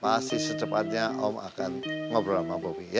pasti secepatnya om akan ngobrol sama bobby ya